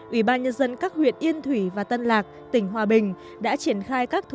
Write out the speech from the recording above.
ủy ban nhân dân các huyện yên thủy và tân lạc tỉnh hòa bình đã triển khai các thủ